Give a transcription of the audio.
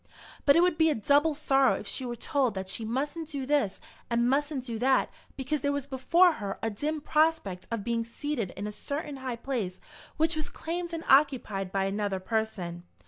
But it would be a double sorrow if she were told that she mustn't do this and mustn't do that because there was before her a dim prospect of being seated in a certain high place which was claimed and occupied by another person.